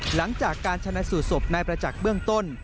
หลังจากการชนะสูตรศพนายประจักษ์เบื้องต้น